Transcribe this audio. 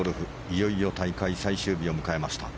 いよいよ大会最終日を迎えました。